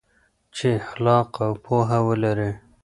چې اخلاق او پوهه ولري.